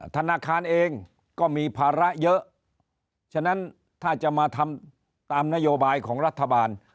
ธนาคารเองก็มีภาระเยอะฉะนั้นถ้าจะมาทำตามนโยบายของรัฐบาล